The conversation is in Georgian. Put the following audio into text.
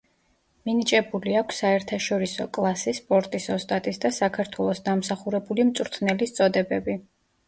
მინიჭებული აქვს საერთაშორისო კლასის სპორტის ოსტატის და საქართველოს დამსახურებული მწვრთნელის წოდებები.